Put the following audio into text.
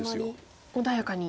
穏やかに。